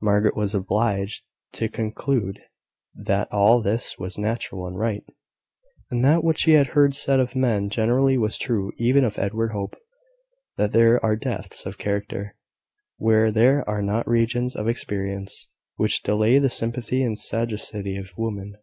Margaret was obliged to conclude that all this was natural and right, and that what she had heard said of men generally was true even of Edward Hope that there are depths of character where there are not regions of experience, which defy the sympathy and sagacity of women.